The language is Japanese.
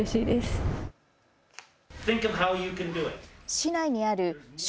市内にある小